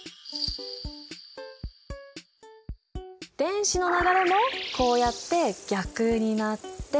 電子の流れもこうやって逆になって。